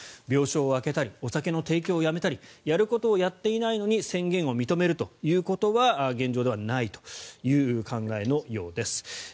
病床を空けたりお酒の提供をやめたりやることをやっていないのに宣言を認めるということは現状ではないという考えのようです。